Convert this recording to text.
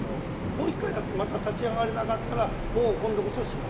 もう一回やってまた立ち上がれなかったらもう今度こそ死のう。